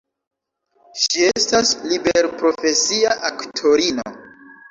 Ŝi estas liberprofesia aktorino.